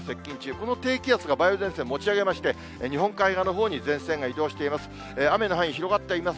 この低気圧が梅雨前線を持ち上げまして、日本海側のほうに前線に移動しています。